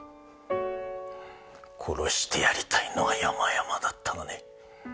殺してやりたいのはやまやまだったがね。